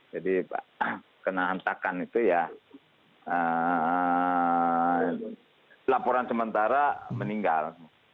jadi kena hentakan itu ya laporan sementara meninggal